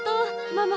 ママ